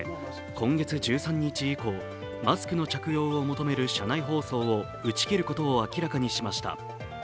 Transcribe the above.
今月１３日以降、マスクの着用を求める車内放送を打ち切ることを明らかにしました。